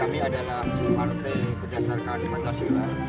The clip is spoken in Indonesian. kami adalah partai berdasarkan pancasila